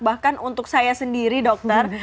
bahkan untuk saya sendiri dokter